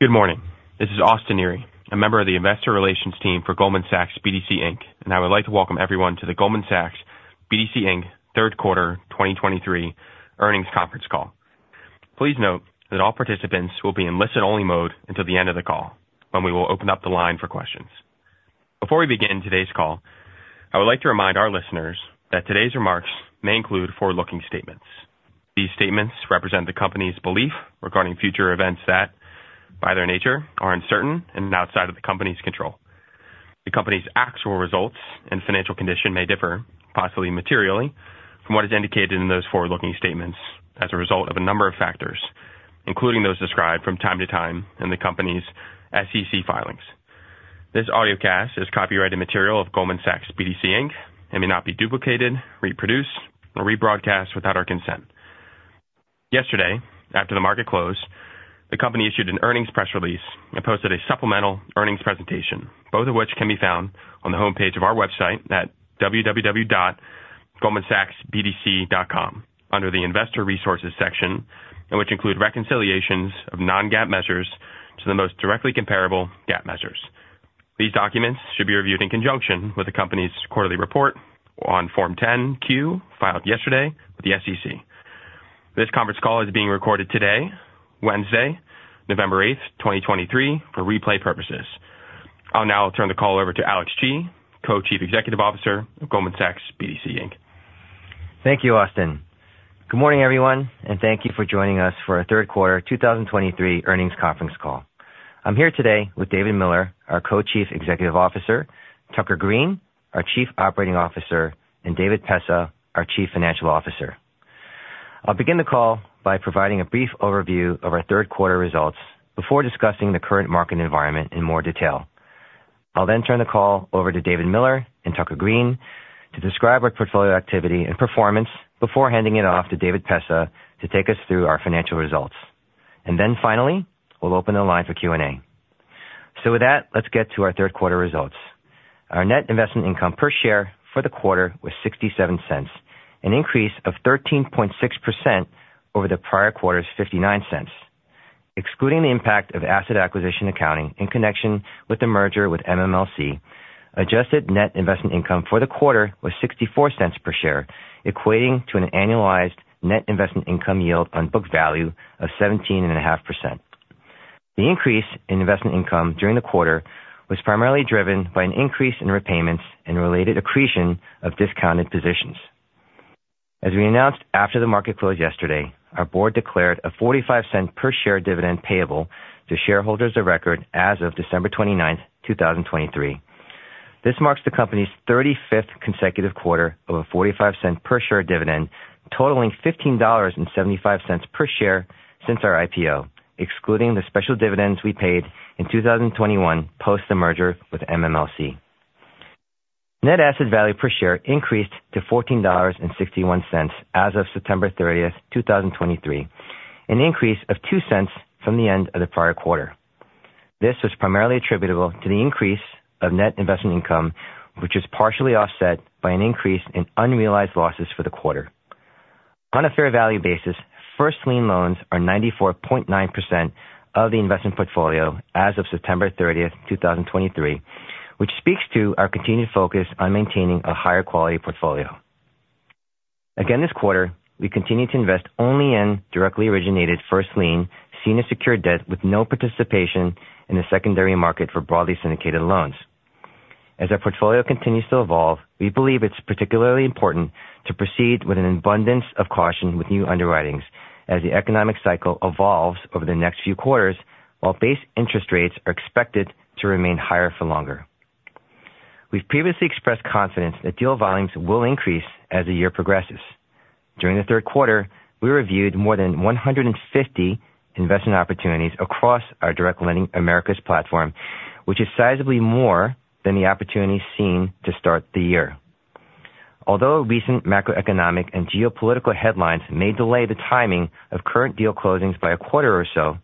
Good morning. This is Austin Neri, a member of the Investor Relations team for Goldman Sachs BDC, Inc. I would like to welcome everyone to the Goldman Sachs BDC, Inc. third quarter 2023 earnings conference call. Please note that all participants will be in listen-only mode until the end of the call, when we will open up the line for questions. Before we begin today's call, I would like to remind our listeners that today's remarks may include forward-looking statements. These statements represent the company's belief regarding future events that, by their nature, are uncertain and outside of the company's control. The company's actual results and financial condition may differ, possibly materially, from what is indicated in those forward-looking statements as a result of a number of factors, including those described from time to time in the company's SEC filings. This audiocast is copyrighted material of Goldman Sachs BDC, Inc. and may not be duplicated, reproduced, or rebroadcast without our consent. Yesterday, after the market closed, the company issued an earnings press release and posted a supplemental earnings presentation, both of which can be found on the homepage of our website at www.goldmansachsbdc.com, under the Investor Resources section, and which include reconciliations of non-GAAP measures to the most directly comparable GAAP measures. These documents should be reviewed in conjunction with the company's quarterly report on Form 10-Q, filed yesterday with the SEC. This conference call is being recorded today, Wednesday, November 8, 2023, for replay purposes. I'll now turn the call over to Alex Chi, Co-Chief Executive Officer of Goldman Sachs BDC, Inc. Thank you, Austin. Good morning, everyone, and thank you for joining us for our third quarter 2023 earnings conference call. I'm here today with David Miller, our Co-Chief Executive Officer, Tucker Greene, our Chief Operating Officer, and David Pessah, our Chief Financial Officer. I'll begin the call by providing a brief overview of our third quarter results before discussing the current market environment in more detail. I'll then turn the call over to David Miller and Tucker Greene to describe our portfolio activity and performance before handing it off to David Pessah to take us through our financial results. And then finally, we'll open the line for Q&A. So with that, let's get to our third quarter results. Our net investment income per share for the quarter was $0.67, an increase of 13.6% over the prior quarter's $0.59. Excluding the impact of asset acquisition accounting in connection with the merger with MMLC, adjusted net investment income for the quarter was $0.64 per share, equating to an annualized net investment income yield on book value of 17.5%. The increase in investment income during the quarter was primarily driven by an increase in repayments and related accretion of discounted positions. As we announced after the market closed yesterday, our board declared a $0.45 per share dividend payable to shareholders of record as of December 29, 2023. This marks the company's 35th consecutive quarter of a $0.45 per share dividend, totaling $15.75 per share since our IPO, excluding the special dividends we paid in 2021 post the merger with MMLC. Net asset value per share increased to $14.61 as of September 30, 2023, an increase of $0.02 from the end of the prior quarter. This was primarily attributable to the increase of net investment income, which is partially offset by an increase in unrealized losses for the quarter. On a fair value basis, first lien loans are 94.9% of the investment portfolio as of September 30, 2023, which speaks to our continued focus on maintaining a higher quality portfolio. Again, this quarter, we continue to invest only in directly originated first lien, senior secured debt with no participation in the secondary market for broadly syndicated loans. As our portfolio continues to evolve, we believe it's particularly important to proceed with an abundance of caution with new underwritings as the economic cycle evolves over the next few quarters, while base interest rates are expected to remain higher for longer. We've previously expressed confidence that deal volumes will increase as the year progresses. During the third quarter, we reviewed more than 150 investment opportunities across our Direct Lending Americas platform, which is sizably more than the opportunities seen to start the year. Although recent macroeconomic and geopolitical headlines may delay the timing of current deal closings by a quarter or so,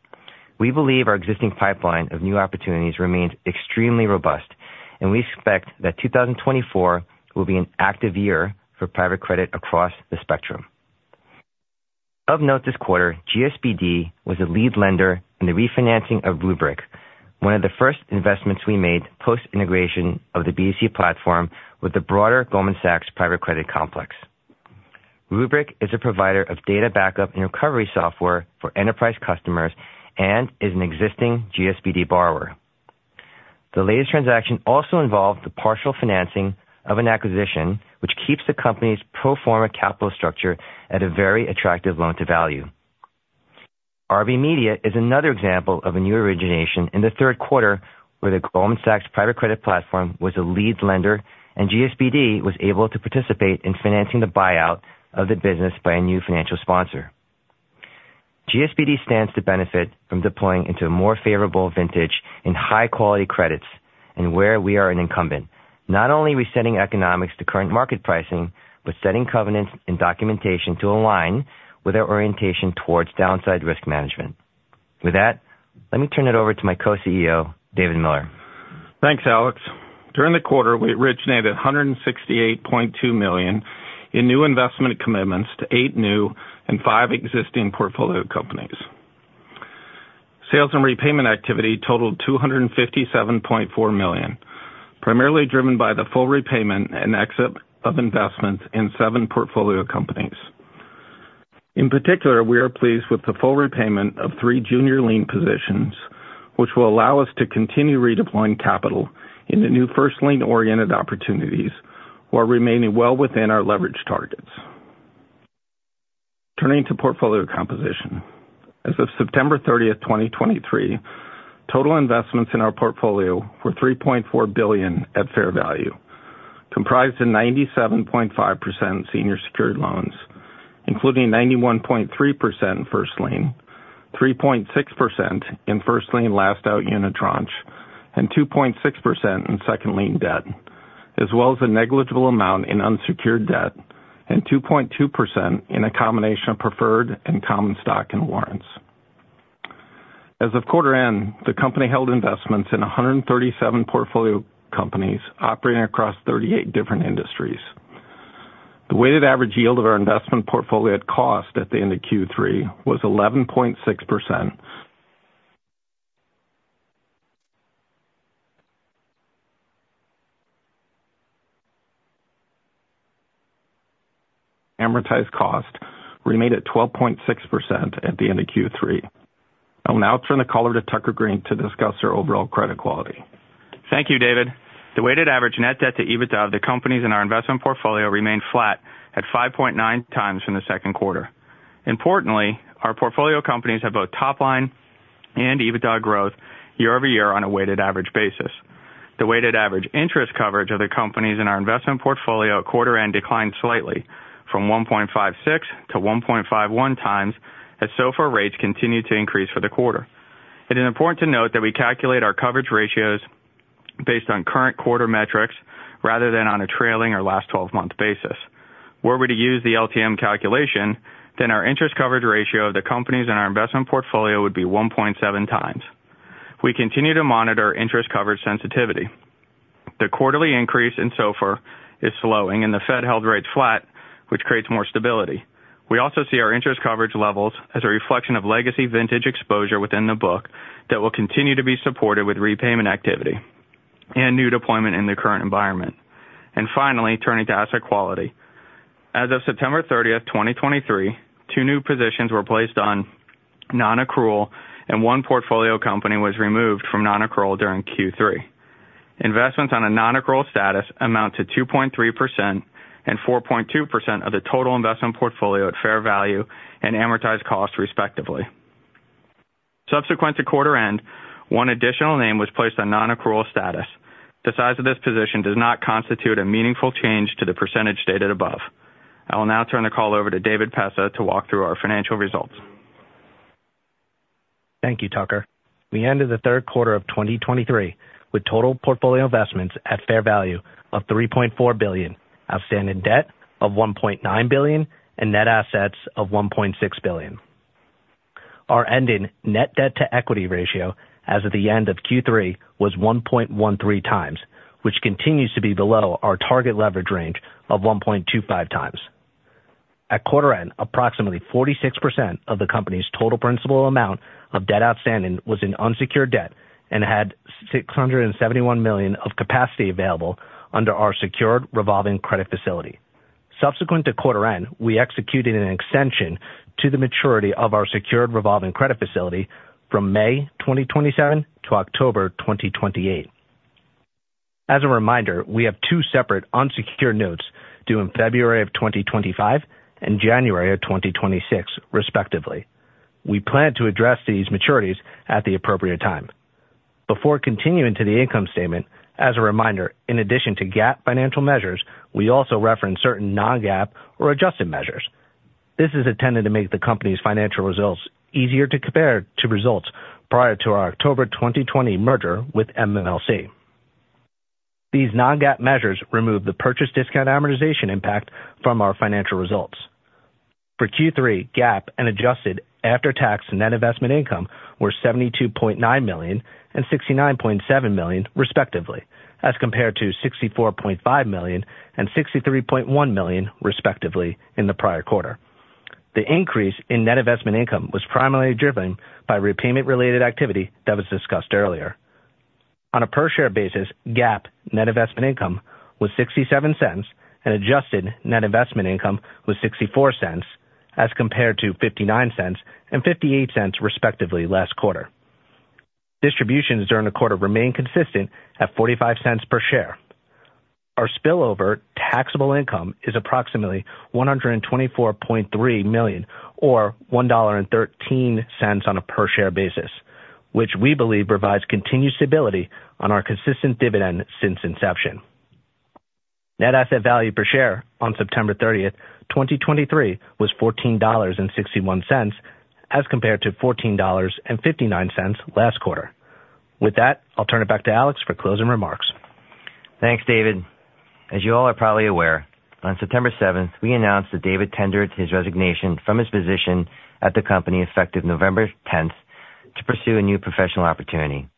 we believe our existing pipeline of new opportunities remains extremely robust, and we expect that 2024 will be an active year for private credit across the spectrum. Of note, this quarter, GSBD was a lead lender in the refinancing of Rubrik, one of the first investments we made post-integration of the BDC platform with the broader Goldman Sachs Private Credit complex. Rubrik is a provider of data backup and recovery software for enterprise customers and is an existing GSBD borrower. The latest transaction also involved the partial financing of an acquisition, which keeps the company's pro forma capital structure at a very attractive loan to value. RBmedia is another example of a new origination in the third quarter, where the Goldman Sachs Private Credit platform was a lead lender and GSBD was able to participate in financing the buyout of the business by a new financial sponsor. GSBD stands to benefit from deploying into a more favorable vintage in high quality credits and where we are an incumbent, not only resetting economics to current market pricing, but setting covenants and documentation to align with our orientation towards downside risk management. With that, let me turn it over to my Co-CEO, David Miller. Thanks, Alex. During the quarter, we originated $168.2 million in new investment commitments to eight new and five existing portfolio companies. Sales and repayment activity totaled $257.4 million, primarily driven by the full repayment and exit of investments in seven portfolio companies. In particular, we are pleased with the full repayment of three junior lien positions, which will allow us to continue redeploying capital in the new first lien-oriented opportunities, while remaining well within our leverage targets. Turning to portfolio composition. As of September 30, 2023, total investments in our portfolio were $3.4 billion at fair value, comprised of 97.5% senior secured loans, including 91.3% first lien, 3.6% in first lien, last out unittranche, and 2.6% in second lien debt, as well as a negligible amount in unsecured debt and 2.2% in a combination of preferred and common stock and warrants. As of quarter end, the company held investments in 137 portfolio companies operating across 38 different industries. The weighted average yield of our investment portfolio at cost at the end of Q3 was 11.6%. Amortized cost remained at 12.6% at the end of Q3. I'll now turn the call over to Tucker Greene to discuss our overall credit quality. Thank you, David. The weighted average net debt to EBITDA of the companies in our investment portfolio remained flat at 5.9x from the second quarter. Importantly, our portfolio companies have both top line and EBITDA growth year-over-year on a weighted average basis. The weighted average interest coverage of the companies in our investment portfolio at quarter-end declined slightly from 1.56x to 1.51x, as SOFR rates continued to increase for the quarter. It is important to note that we calculate our coverage ratios based on current quarter metrics rather than on a trailing or last twelve-month basis. Were we to use the LTM calculation, then our interest coverage ratio of the companies in our investment portfolio would be 1.7x. We continue to monitor interest coverage sensitivity. The quarterly increase in SOFR is slowing, and the Fed held rates flat, which creates more stability. We also see our interest coverage levels as a reflection of legacy vintage exposure within the book that will continue to be supported with repayment activity and new deployment in the current environment. Finally, turning to asset quality. As of September 30, 2023, two new positions were placed on nonaccrual, and one portfolio company was removed from nonaccrual during Q3. Investments on a nonaccrual status amount to 2.3% and 4.2% of the total investment portfolio at fair value and amortized cost, respectively. Subsequent to quarter end, one additional name was placed on nonaccrual status. The size of this position does not constitute a meaningful change to the percentage stated above. I will now turn the call over to David Pessah to walk through our financial results. Thank you, Tucker. We ended the third quarter of 2023 with total portfolio investments at fair value of $3.4 billion, outstanding debt of $1.9 billion, and net assets of $1.6 billion. Our ending net debt-to-equity ratio as of the end of Q3 was 1.13x, which continues to be below our target leverage range of 1.25x. At quarter end, approximately 46% of the company's total principal amount of debt outstanding was in unsecured debt and had $671 million of capacity available under our secured revolving credit facility. Subsequent to quarter end, we executed an extension to the maturity of our secured revolving credit facility from May 2027 to October 2028. As a reminder, we have two separate unsecured notes due in February of 2025 and January of 2026, respectively. We plan to address these maturities at the appropriate time. Before continuing to the income statement, as a reminder, in addition to GAAP financial measures, we also reference certain non-GAAP or adjusted measures. This is intended to make the company's financial results easier to compare to results prior to our October 2020 merger with MMLC. These non-GAAP measures remove the purchase discount amortization impact from our financial results. For Q3, GAAP and adjusted after-tax net investment income were $72.9 million and $69.7 million, respectively, as compared to $64.5 million and $63.1 million, respectively, in the prior quarter. The increase in net investment income was primarily driven by repayment-related activity that was discussed earlier. On a per-share basis, GAAP net investment income was $0.67 and adjusted net investment income was $0.64, as compared to $0.59 and $0.58, respectively, last quarter. Distributions during the quarter remained consistent at $0.45 per share. Our spillover taxable income is approximately $124.3 million or $1.13 on a per-share basis, which we believe provides continued stability on our consistent dividend since inception. Net asset value per share on September 30, 2023, was $14.61, as compared to $14.59 last quarter. With that, I'll turn it back to Alex for closing remarks. Thanks, David. As you all are probably aware, on September 7, we announced that David tendered his resignation from his position at the company, effective November 10, to pursue a new professional opportunity.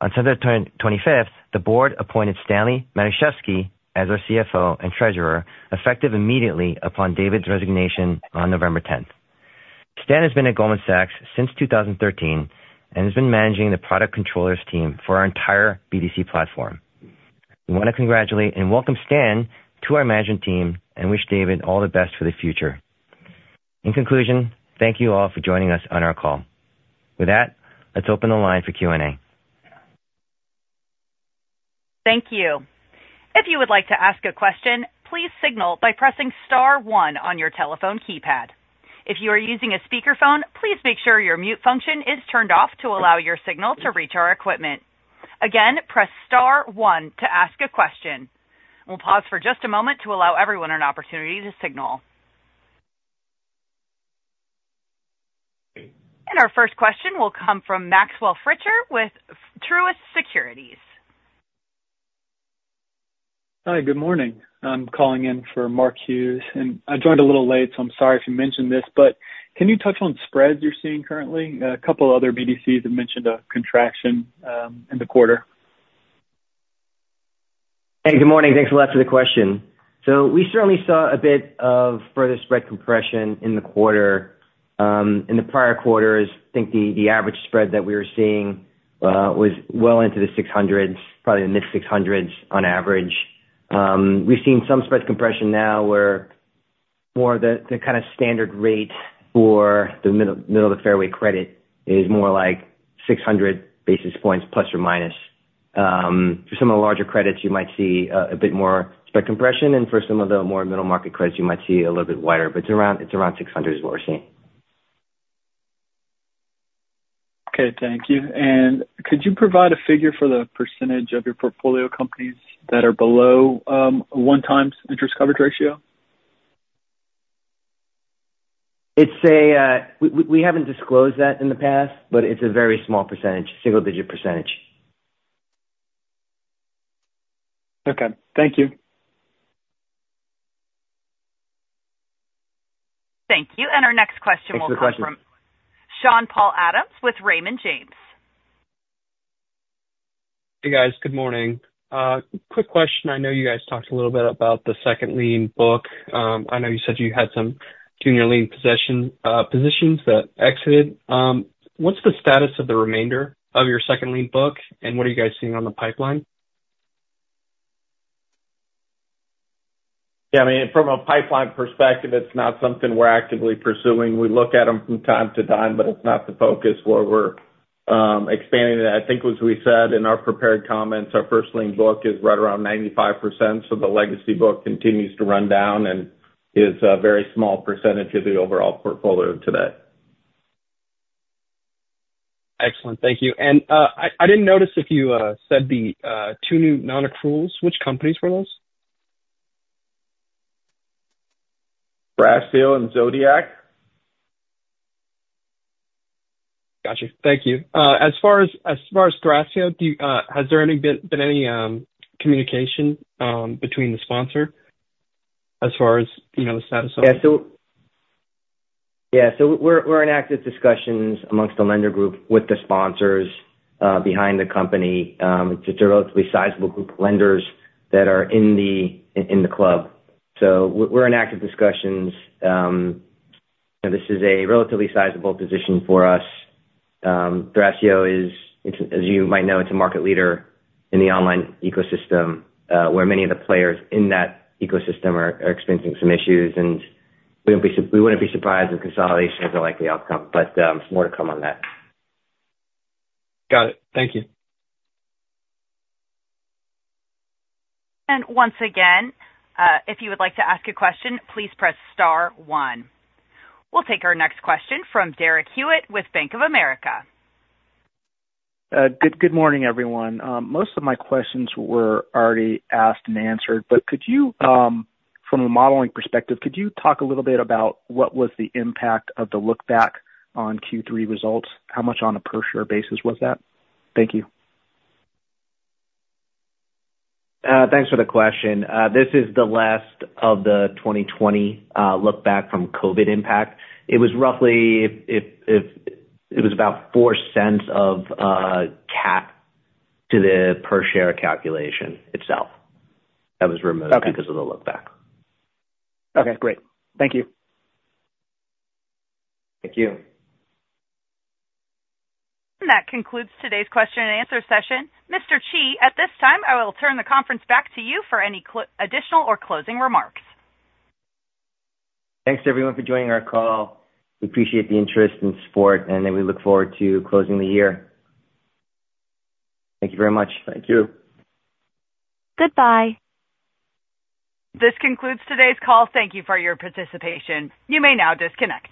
On September 25, the board appointed Stanley Matuszewski as our CFO and treasurer, effective immediately upon David's resignation on November 10. Stan has been at Goldman Sachs since 2013, and has been managing the Product Controllers team for our entire BDC platform. We want to congratulate and welcome Stan to our management team and wish David all the best for the future. In conclusion, thank you all for joining us on our call. With that, let's open the line for Q&A. Thank you. If you would like to ask a question, please signal by pressing star one on your telephone keypad. If you are using a speakerphone, please make sure your mute function is turned off to allow your signal to reach our equipment. Again, press star one to ask a question. We'll pause for just a moment to allow everyone an opportunity to signal. Our first question will come from Maxwell Fritscher with Truist Securities. Hi, good morning. I'm calling in for Mark Hughes, and I joined a little late, so I'm sorry if you mentioned this, but can you touch on spreads you're seeing currently? A couple other BDCs have mentioned a contraction in the quarter. Hey, good morning. Thanks a lot for the question. We certainly saw a bit of further spread compression in the quarter. In the prior quarters, I think the average spread that we were seeing was well into the 600s, probably the mid-600s on average. We've seen some spread compression now where more the kind of standard rate for the middle of the fairway credit is more like 600 basis points plus or minus. For some of the larger credits, you might see a bit more spread compression, and for some of the more middle market credits, you might see a little bit wider, but it's around, it's around 600 is what we're seeing. Okay, thank you. Could you provide a figure for the percentage of your portfolio companies that are below 1x interest coverage ratio? It's a... We haven't disclosed that in the past, but it's a very small percentage, single digit percentage. Okay, thank you. Thank you. Our next question will come from- Thanks for the question. Sean-Paul Adams with Raymond James. Hey, guys, good morning. Quick question. I know you guys talked a little bit about the second lien book. I know you said you had some junior lien positions that exited. What's the status of the remainder of your second lien book, and what are you guys seeing on the pipeline? Yeah, I mean, from a pipeline perspective, it's not something we're actively pursuing. We look at them from time to time, but it's not the focus where we're expanding it. I think, as we said in our prepared comments, our first lien book is right around 95%, so the legacy book continues to run down and is a very small percentage of the overall portfolio today. Excellent. Thank you. And, I didn't notice if you said the two new nonaccruals. Which companies were those? Thrasio and Zodiac. Got you. Thank you. As far as Thrasio, has there been any communication between the sponsor as far as, you know, the status on? Yeah, so we're in active discussions amongst the lender group with the sponsors behind the company. It's a relatively sizable group of lenders that are in the club. We're in active discussions. And this is a relatively sizable position for us. Thrasio is, as you might know, it's a market leader in the online ecosystem, where many of the players in that ecosystem are experiencing some issues. We wouldn't be surprised if consolidation is a likely outcome, but more to come on that. Got it. Thank you. And once again, if you would like to ask a question, please press star one. We'll take our next question from Derek Hewett with Bank of America. Good morning, everyone. Most of my questions were already asked and answered, but could you, from a modeling perspective, could you talk a little bit about what was the impact of the look-back on Q3 results? How much on a per share basis was that? Thank you. Thanks for the question. This is the last of the 2020 look-back from COVID impact. It was roughly. It was about $0.04 of cap to the per share calculation itself. That was removed- Okay. because of the look-back. Okay, great. Thank you. Thank you. That concludes today's question-and-answer session. Mr. Chi, at this time, I will turn the conference back to you for any additional or closing remarks. Thanks to everyone for joining our call. We appreciate the interest and support, and then we look forward to closing the year. Thank you very much. Thank you. Goodbye. This concludes today's call. Thank you for your participation. You may now disconnect.